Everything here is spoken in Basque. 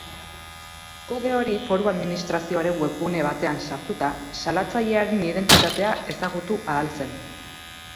Kode hori foru administrazioaren webgune batean sartuta, salatzailearen identitatea ezagutu ahal zen.